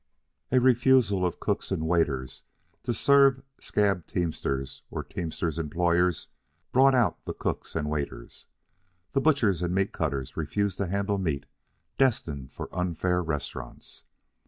A refusal of cooks and waiters to serve scab teamsters or teamsters' employers brought out the cooks and waiters. The butchers and meat cutters refused to handle meat destined for unfair restaurants.